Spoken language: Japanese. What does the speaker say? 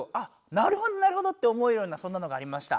なるほどなるほどって思えるようなそんなのがありました。